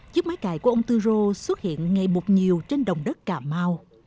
chiếc máy cày của ông từ rồ xuất hiện ngày một nhiều trên đồng đất cà mau